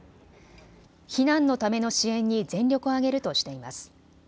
避難のための支援に全力を挙げるとしています。